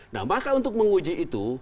nah maka untuk menguji itu